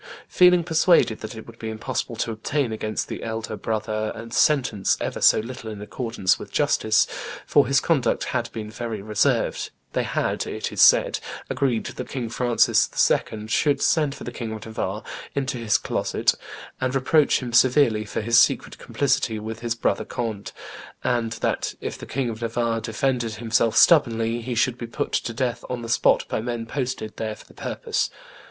Feeling persuaded that it would be impossible to obtain against the elder brother a sentence ever so little in accordance with justice, for his conduct had been very reserved, they had, it is said, agreed that King Francis II. should send for the King of Navarre into his closet and reproach him severely for his secret complicity with his brother Conde, and that if the King of Navarre defended himself stubbornly, he should be put to death on the spot by men posted there for the purpose.